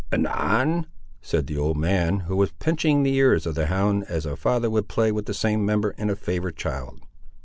"Anan?" said the old man, who was pinching the ears of the hound, as a father would play with the same member in a favourite child.